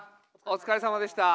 お疲れさまでした。